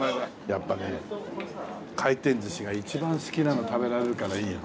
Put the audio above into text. やっぱね回転寿司が一番好きなの食べられるからいいよ。